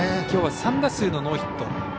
きょう３打数のノーヒット。